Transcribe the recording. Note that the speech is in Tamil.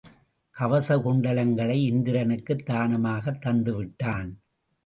கவசகுண்டலங்களை இந்திரனுக்குத் தானமாகத் தந்து விட்டான்.